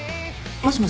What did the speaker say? もしもし？